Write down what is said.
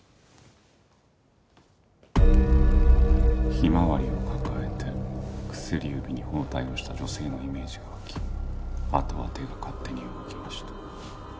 ひまわりを抱えて薬指に包帯をした女性のイメージが湧きあとは手が勝手に動きました。